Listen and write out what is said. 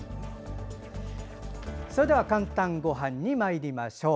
「かんたんごはん」にまいりましょう。